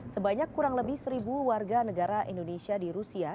sebanyak kurang lebih seribu warga negara indonesia di rusia